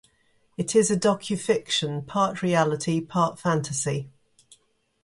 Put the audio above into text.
It is a docufiction: part reality, part fantasy.